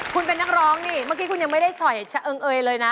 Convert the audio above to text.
คุณเป็นนักร้องนี่เมื่อกี้คุณยังไม่ได้ฉ่อยชะเอิงเอยเลยนะ